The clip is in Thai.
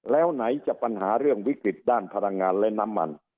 แล้วไหนจะปัญหาเรื่องวิกฤตด้านพลังงานและน้ำมัน